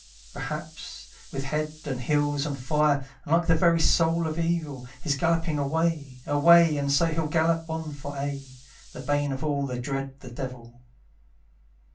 Perhaps, with head and heels on fire, And like the very soul of evil, He's galloping away, away, And so he'll gallop on for aye, The bane of all that dread the devil.